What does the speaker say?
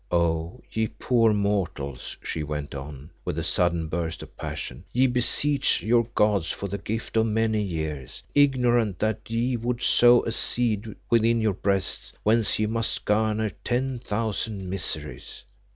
"Oh! ye poor mortals," she went on, with a sudden burst of passion; "ye beseech your gods for the gift of many years, being ignorant that ye would sow a seed within your breasts whence ye must garner ten thousand miseries.